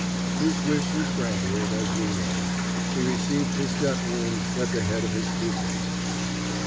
His wish was granted, as we know. He received his death wound at the head of his troopers.